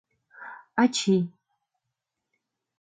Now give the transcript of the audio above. Ачий.